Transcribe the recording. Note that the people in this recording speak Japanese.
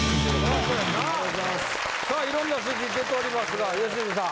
さあいろんな数字出ておりますが良純さん。